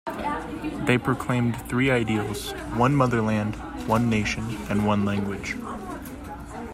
They proclaimed three ideals, one motherland, one nation and one language.